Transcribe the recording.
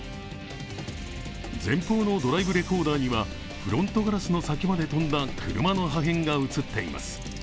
前方のドライブレコーダーにはフロントガラスの先まで飛んだ車の破片が映っています。